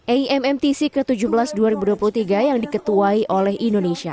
ammtc ke tujuh belas dua ribu dua puluh tiga yang diketuai oleh indonesia